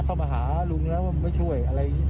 เข้ามาหาลุงแล้วไม่ช่วยอะไร